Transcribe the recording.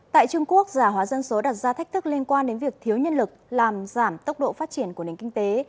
tại trung quốc giả hóa dân số đặt ra thách thức liên quan đến việc thiếu nhân lực làm giảm tốc độ phát triển của nền kinh tế